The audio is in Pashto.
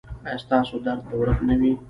ایا ستاسو درد به ورک نه وي؟